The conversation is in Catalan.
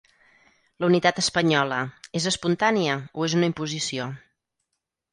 La unitat espanyola, és espontània, o és una imposició?